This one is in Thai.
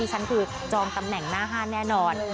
ฉันคือจองตำแหน่งหน้าห้านแน่นอน